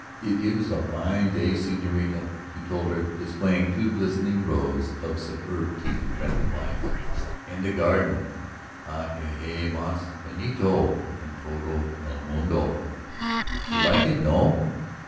"It is a fine day, señorita," he told her, displaying two glistening rows of superb teeth friendliwise. "And the garden ... Ah, que hay más bonito en todo el mundo? You like it, no?"